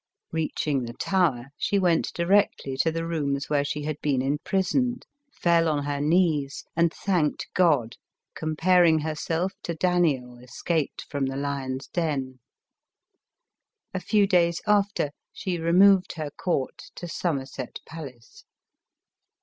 Reaching the Tower, she went directly to the rooms where she had been imprisoned, foil on her 306 ELIZABETH OF ENGLAND. knees, and thanked God, comparing herself to Daniel escaped from the lion's den. A few days after, 'she removed her court to Somerset palace.